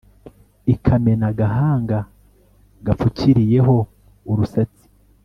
ikamena agahanga gapfukiriyeho urusatsi